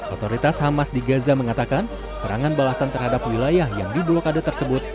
otoritas hamas di gaza mengatakan serangan balasan terhadap wilayah yang di blokade tersebut